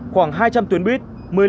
khoảng hai trăm linh tuyến buýt